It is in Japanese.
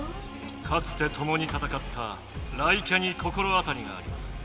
かつてともにたたかった雷キャに心当たりがあります。